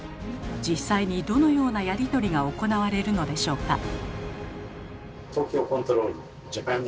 実際にどのようなやり取りが行われるのでしょうか？